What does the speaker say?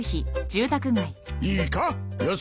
いいかよ